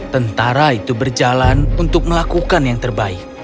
tentara itu berjalan untuk melakukan yang terbaik